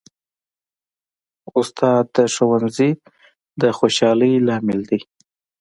استاد د ښوونځي د خوشحالۍ لامل دی.